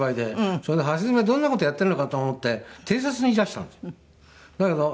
それで橋爪どんな事やっているのかと思って偵察にいらしたんです。